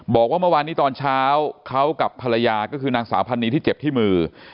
บอกว่าเมื่อวานนี้ตอนเช้าเขากับภรรยาก็คือนางสาวพันนีที่เจ็บที่มือ